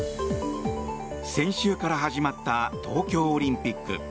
先週から始まった東京オリンピック。